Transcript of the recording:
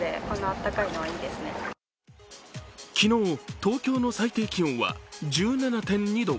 昨日、東京の最低気温は１７．２度。